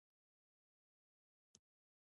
ایا مصنوعي ځیرکتیا د څارنې فرهنګ نه پیاوړی کوي؟